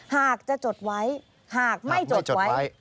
หากจะจดไว้หากไม่จดไว้